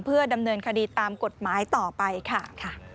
เพื่อดำเนินคดีตามกฎหมายต่อไปค่ะ